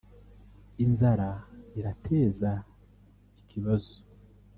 inzara irateza ikibazo